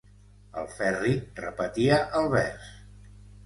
El Ferri repetia el vers.